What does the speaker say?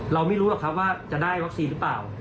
เรามิรู้ครับว่าจะได้วัคซีรึเปล่า